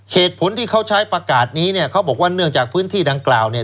เหตุผลที่เขาใช้ประกาศนี้เนี่ยเขาบอกว่าเนื่องจากพื้นที่ดังกล่าวเนี่ย